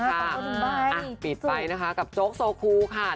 อ่ะปิดไปโจ๊กโซคุ